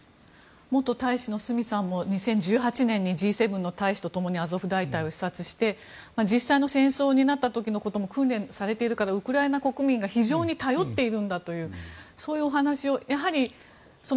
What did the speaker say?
元大使の角さんも２０１８年にＧ７の大使と共にアゾフ大隊を視察して実際の戦争になった時のことも訓練されているからウクライナ国民が非常に頼っているんだというお話がありました。